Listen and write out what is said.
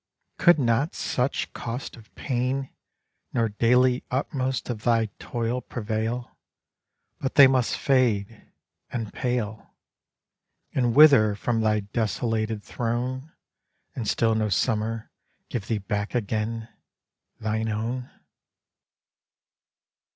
Could not such cost of pain, Nor daily utmost of thy toil prevail? But they must fade, and pale, And wither from thy desolated throne? And still no Summer give thee back again Thine own?